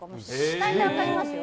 大体、分かりますよ。